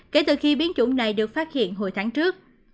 kể từ khi biến chủng này được phát hiện hồi tháng trước